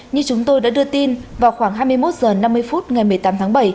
như chúng tôi đã đưa tin vào khoảng hai mươi một h năm mươi phút ngày một mươi tám tháng bảy